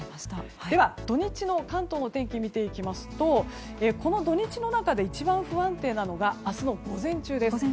では、土日の関東の天気を見ていきますとこの土日の中で一番不安定なのが明日の午前中です。